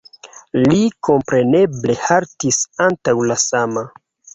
Li kompreneble haltis antaŭ la sama.